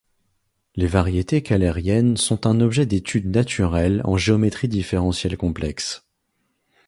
Les variétés kählériennes sont un objet d'étude naturel en géométrie différentielle complexe.